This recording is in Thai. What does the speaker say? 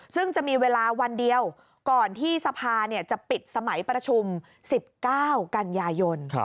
ซึ่งจะมีเวลาวันเดียวก่อนที่สภาจะปิดสมัยประชุม๑๙กันยายน